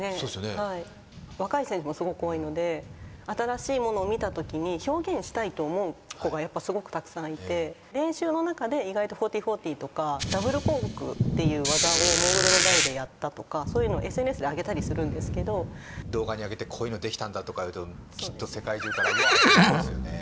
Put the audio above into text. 若い選手もすごく多いので新しいものを見たときに表現したいと思う子がすごくたくさんいて練習の中で意外と１４４０とかダブルコークっていう技をモーグルの台でやったとかそういうのをＳＮＳで上げたりするんですけど動画に上げてこういうのできたんだとかいうときっと世界中からワッてなりますよね